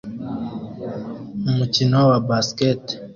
Umukino wa basket